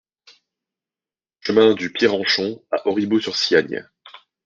Chemin de Pierrenchon à Auribeau-sur-Siagne